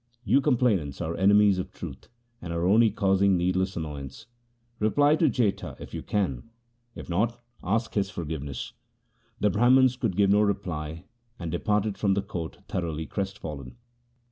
You complainants are enemies of truth, and are only causing needless annoyance. Reply to Jetha if you can ; if not, ask his forgiveness.' The Brahmans could give no reply and departed from court thoroughly crestfallen.